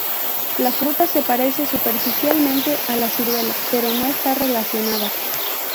La fruta se parece superficialmente a la ciruela, pero no está relacionada.